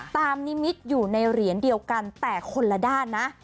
นิมิตอยู่ในเหรียญเดียวกันแต่คนละด้านนะ